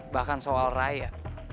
bahkan soal raya